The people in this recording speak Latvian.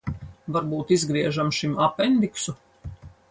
Varbūt izgriežam šim apendiksu?